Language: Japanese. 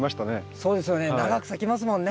そうですよね長く咲きますもんね。